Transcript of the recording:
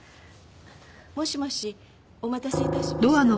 もしもしお待たせいたしました。